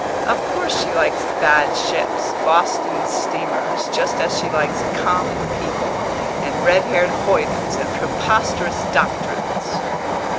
"Of course she likes bad ships Boston steamers just as she likes common people, and red haired hoydens, and preposterous doctrines."